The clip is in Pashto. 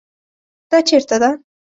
دا چیرته ده؟